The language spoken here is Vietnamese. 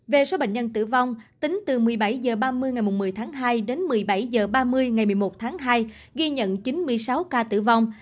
về số bệnh nhân tử vong tính từ một mươi bảy h ba mươi ngày một mươi tháng hai đến một mươi bảy h ba mươi ngày một mươi một tháng hai ghi nhận chín mươi sáu ca tử vong